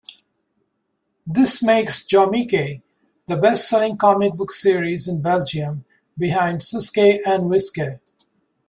This makes Jommeke the best-selling comic book series in Belgium behind Suske en Wiske.